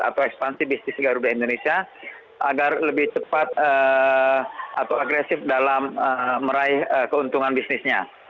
atau ekspansi bisnis garuda indonesia agar lebih cepat atau agresif dalam meraih keuntungan bisnisnya